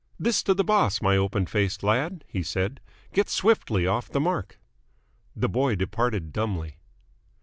"This to the boss, my open faced lad!" he said. "Get swiftly off the mark." The boy departed dumbly.